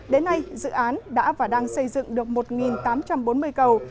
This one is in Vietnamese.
đến nay dự án đã và đang xây dựng được một tám trăm bốn mươi cầu